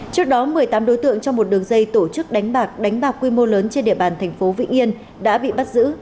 trước đó một mươi tám đối tượng trong một đường dây tổ chức đánh bạc đánh bạc quy mô lớn trên địa bàn thành phố vĩnh yên đã bị bắt giữ